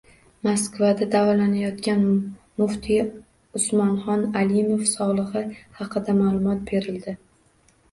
Moskvada davolanayotgan muftiy Usmonxon Alimov sog‘lig‘i haqida ma’lumot berildi